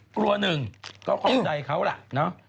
กลัว๑ก็ความใจเขาละเนาะ